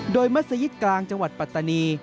โดยมัศยิตกลางจังหวัดปัตตานี